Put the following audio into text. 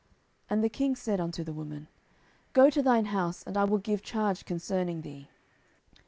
10:014:008 And the king said unto the woman, Go to thine house, and I will give charge concerning thee.